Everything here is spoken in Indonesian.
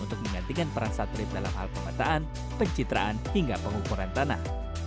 untuk menggantikan peran satelit dalam hal pemetaan pencitraan hingga pengukuran tanah